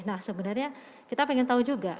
nah sebenarnya kita pengen tahu juga